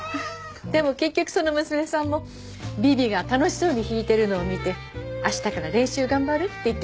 でも結局その娘さんもビビが楽しそうに弾いてるのを見て明日から練習頑張るって言ってくれたんだけどね。